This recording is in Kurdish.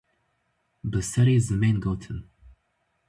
Bi serê zimên gotin